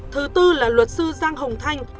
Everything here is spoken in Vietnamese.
thứ tư là luật sư giang hồng thanh